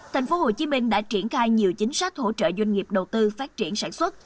tp hcm đã triển khai nhiều chính sách hỗ trợ doanh nghiệp đầu tư phát triển sản xuất